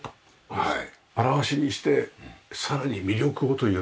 はい。